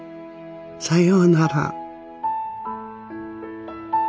さようなら。